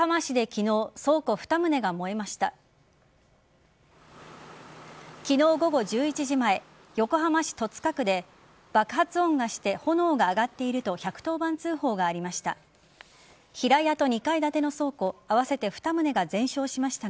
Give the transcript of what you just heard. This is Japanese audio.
昨日午後１１時前横浜市戸塚区で爆発音がして炎が上がっていると１１０番通報がありました。